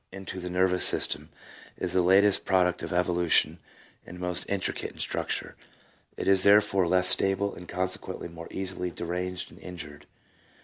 into the nervous system is the latest product of evolu tion and most intricate in structure. It is therefore less stable, and consequently more easily deranged and injured.